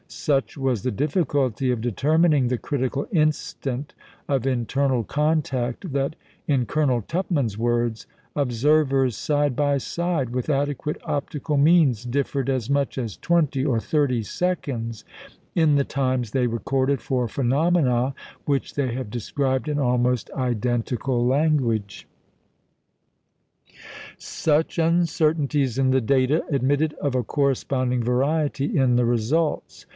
Such was the difficulty of determining the critical instant of internal contact, that (in Colonel Tupman's words) "observers side by side, with adequate optical means, differed as much as twenty or thirty seconds in the times they recorded for phenomena which they have described in almost identical language." Such uncertainties in the data admitted of a corresponding variety in the results.